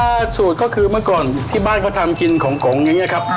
ถ้าสูตรก็คือเมื่อก่อนที่บ้านเขาทำกินของกงอย่างนี้ครับ